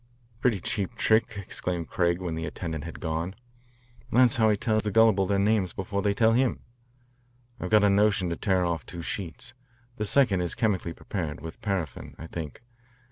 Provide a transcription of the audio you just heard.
"A pretty cheap trick," exclaimed Craig when the attendant had gone. "That's how he tells the gullible their names before they tell him. I've a good notion to tear off two sheets. The second is chemically prepared, with paraffin, I think.